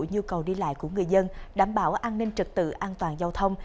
nhu cầu đi lại của người dân đảm bảo an ninh trật tự an toàn giao thông